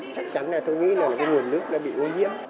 chắc chắn là tôi nghĩ là cái nguồn nước đã bị ô nhiễm